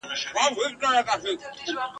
له یوه لاسه تر بل پوري رسیږي ..